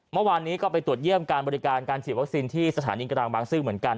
เมื่อวานนี้ก็ไปตรวจเยี่ยมการบริการการฉีดวัคซีนที่สถานีกลางบางซื่อเหมือนกัน